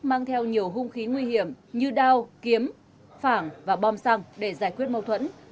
mang theo nhiều hung khí nguy hiểm như đao kiếm phảng và bom xăng để giải quyết mâu thuẫn